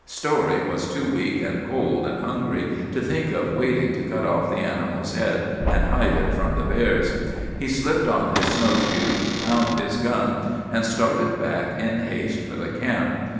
"Story was too weak and cold and hungry to think of waiting to cut off the animal's head and hide it from the bears. He slipped on his snow shoes, found his gun, and started back in haste for the camp.